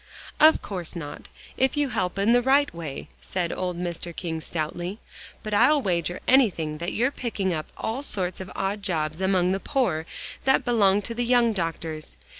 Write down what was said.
"Of course not, if you help in the right way," said old Mr. King stoutly, "but I'll wager anything that you're picking up all sorts of odd jobs among the poor, that belong to the young doctors.